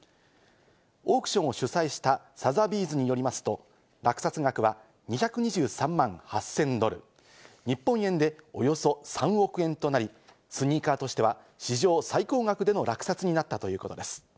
オークションを主催したサザビーズによりますと、落札額は２２３万８０００ドル、日本円でおよそ３億円となり、スニーカーとしては史上最高額での落札になったということです。